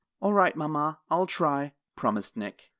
"All right, mama, I'll try," promised Nick.